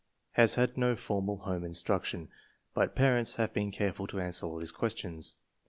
Has had no formal home instruction, but parents have been careful to answer all his questions.